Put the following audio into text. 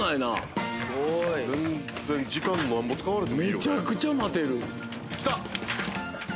めちゃくちゃ待てる。